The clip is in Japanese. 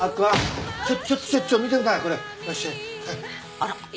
あら。